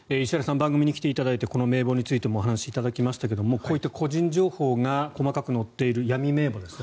番組に来ていただいてこの名簿についてもお話しいただきましたがこういった個人情報が細かく載っている闇名簿ですね